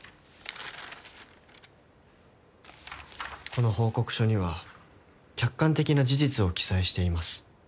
この報告書には客観的な事実を記載しています。